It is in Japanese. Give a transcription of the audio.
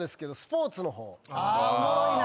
あおもろいな。